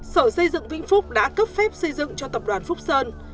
sở xây dựng vĩnh phúc đã cấp phép xây dựng cho tập đoàn phúc sơn